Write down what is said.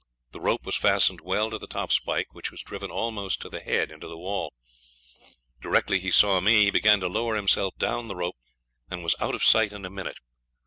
The rope was fastened well to the top spike, which was driven almost to the head into the wall. Directly he saw me, he began to lower himself down the rope, and was out of sight in a minute.